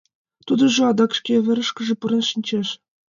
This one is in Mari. Тудыжо адак шке верышкыже пурен шинчеш.